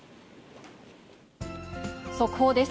速報です。